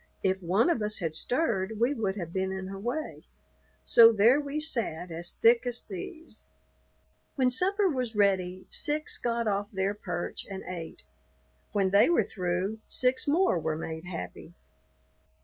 If one of us had stirred we would have been in her way; so there we sat as thick as thieves. When supper was ready six got off their perch and ate; when they were through, six more were made happy.